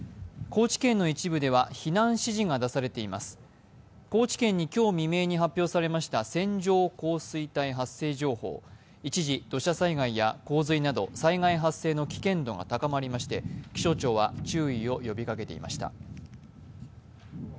高知県に今日未明に発表されました線状降水帯発生情報、一時土砂災害や洪水など災害発生の危険度が高まりまして気象庁は注意を呼びかけていました。